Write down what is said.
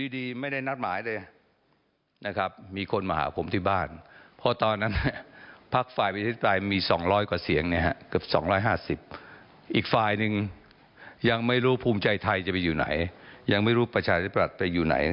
ไทยจะไปอยู่ไหนยังไม่รู้ประชาชนิดประหลักไปอยู่ไหน